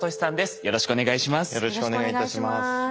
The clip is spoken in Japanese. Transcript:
よろしくお願いします。